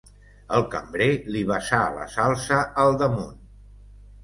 El cambrer li vessà la salsa al damunt.